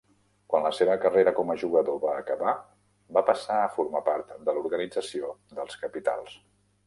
Quan la seva carrera com a jugador va acabar, va passar a formar part de l'organització del Capitals.